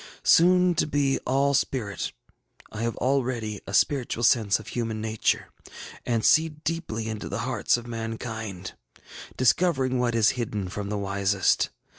Soon to be all spirit, I have already a spiritual sense of human nature, and see deeply into the hearts of mankind, discovering what is hidden from the wisest.